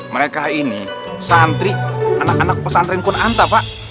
mereka ini santri anak anak pesantren kun'anta pak